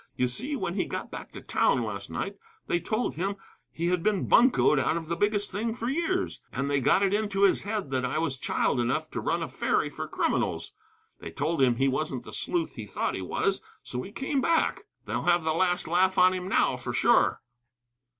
You see, when he got back to town last night they told him he had been buncoed out of the biggest thing for years, and they got it into his head that I was child enough to run a ferry for criminals. They told him he wasn't the sleuth he thought he was, so he came back. They'll have the laugh on him now, for sure."